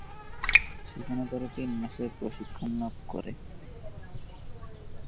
সেখানে তারা তিন মাসের প্রশিক্ষণ লাভ করে।